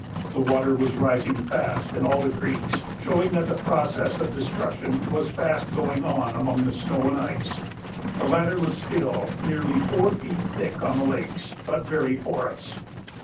The water was rising fast in all the creeks, showing that the process of destruction was fast going on among the snow and ice. The latter was still nearly four feet thick on the lakes, but very porous.